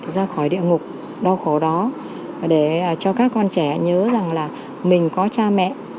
ra khỏi địa ngục đau khổ đó để cho các con trẻ nhớ rằng là mình có cha mẹ